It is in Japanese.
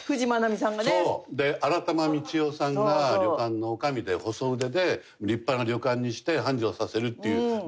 新珠三千代さんが旅館の女将で細腕で立派な旅館にして繁盛させるっていうドラマ。